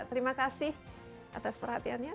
terima kasih atas perhatiannya